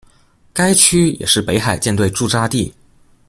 该区也是北海舰队驻扎地。